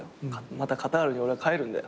またカタールに俺は帰るんだよ。